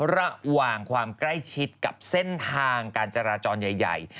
ระหว่างความใกล้ชิดกับเส้นทางการจราจรใหญ่